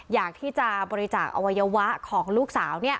อยากที่จะบริจาคอวัยวะของลูกสาว